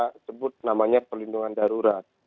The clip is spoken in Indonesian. kita sebut namanya perlindungan darurat